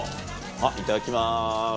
いただきます。